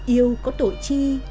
yêu có tội chi